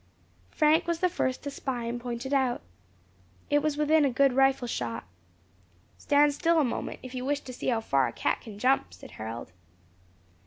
Frank was the first to spy and point it out. It was within a good rifle shot. "Stand still a moment, if you wish to see how far a cat can jump," said Harold.